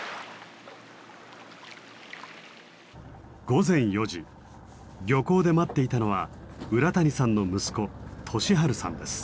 午前４時漁港で待っていたのは浦谷さんの息子俊晴さんです。